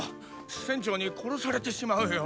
船長に殺されてしまうよ。